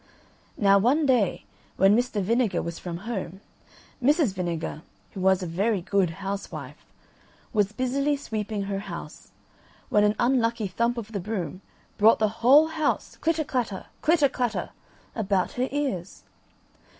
Now, one day, when Mr. Vinegar was from home, Mrs. Vinegar, who was a very good housewife, was busily sweeping her house, when an unlucky thump of the broom brought the whole house clitter clatter, clitter clatter, about her ears.